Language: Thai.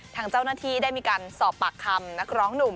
ทางเจ้าหน้าที่ได้มีการสอบปากคำนักร้องหนุ่ม